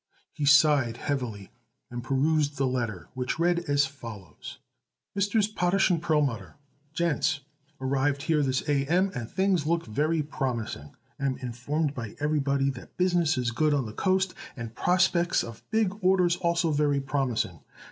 He sighed heavily and perused the letter, which read as follows: CHICAGO, ILL., SEP. '08. MESS POTASH & PERLMUTTER Gents: Arrived here this A M and things look very promising. Am informed by everybody that business is good on the coast and prospects of big orders also very promising.